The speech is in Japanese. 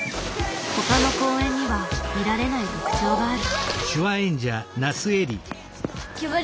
ほかの公園には見られない特徴がある。